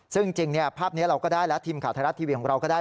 ซึ่งจริงภาพนี้เราก็ได้แล้วทีมข่าวไทยรัฐทีวีของเราก็ได้